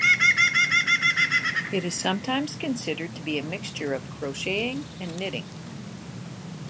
It is sometimes considered to be a mixture of crocheting and knitting.